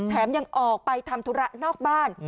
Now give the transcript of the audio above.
แถมยังออกไปทำธุระนอกบ้าน